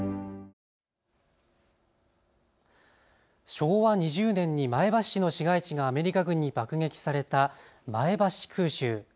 昭和２０年に前橋市の市街地がアメリカ軍に爆撃された前橋空襲。